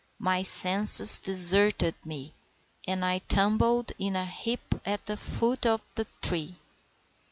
My senses deserted me, and I tumbled in a heap at the foot of the tree.